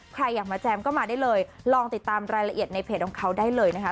ใครอยากมาแจมก็มาได้เลยลองติดตามรายละเอียดในเพจของเขาได้เลยนะคะ